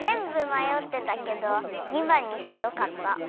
まよってたけど２ばんにしてよかった。